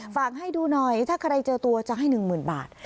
ฝากให้ดูหน่อยถ้าใครเจอตัวจะให้๑๐๐๐บาท